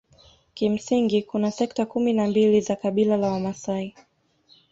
Kimsingi kuna sekta kumi na mbili za kabila la Wamasai